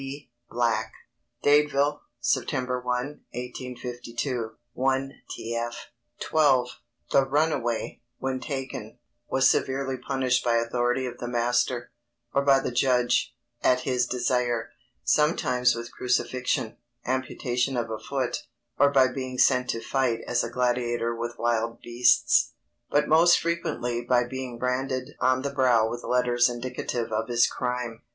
BLACK. Dadeville, Sept. 1, 1852. 1tf XII. _The runaway, when taken, was severely punished by authority of the master, or by the judge, at his desire; sometimes with crucifixion, amputation of a foot, or by being sent to fight as a gladiator with wild beasts; but most frequently by being branded on the brow with letters indicative of his crime.